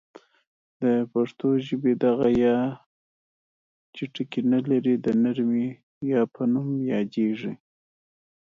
د پښتو ژبې دغه یا ی د نرمې یا په نوم یادیږي.